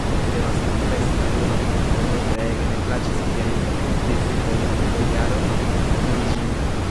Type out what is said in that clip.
Mi devas konfesi, karulo, al mi treege ne plaĉis viaj vizitoj al bojaro Druĵino.